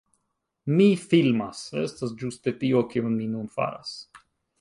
Mi filmas.